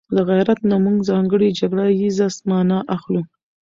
له غيرت نه موږ ځانګړې جګړه ييزه مانا اخلو